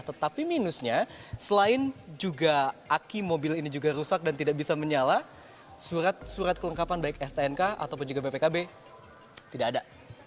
tetapi minusnya selain juga aki mobil ini juga rusak dan tidak bisa menyala surat surat kelengkapan baik stnk ataupun juga bpkb tidak ada